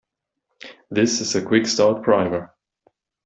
This is a quick start primer.